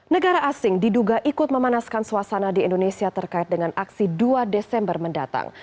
negara asing diduga ikut memanaskan suasana di indonesia terkait dengan aksi dua desember mendatang